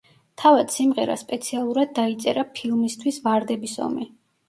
თავად სიმღერა სპეციალურად დაიწერა ფილმისთვის „ვარდების ომი“.